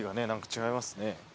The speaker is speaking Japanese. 違いますね。